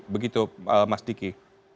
begitu mas diki